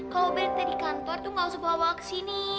kalau benteng di kantor tuh gak usah bawa ke sini